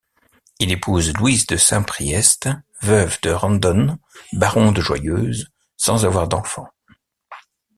Il épouse Louise de Saint-Priest, veuve de Randon baron de Joyeuse, sans avoir d'enfants.